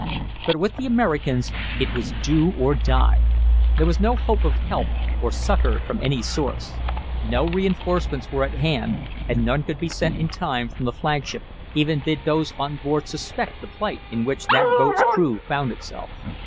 But with the Americans it was do or die. There was no hope of help or succor from any source. No reinforcements were at hand, and none could be sent in time from the flagship, even did those on board suspect the plight in which that boat's crew found itself.